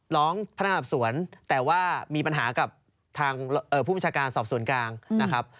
พนักงานสอบสวนแต่ว่ามีปัญหากับทางผู้บัญชาการสอบสวนกลางนะครับ